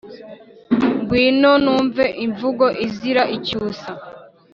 Ngwino numve imvugo izira icyusa,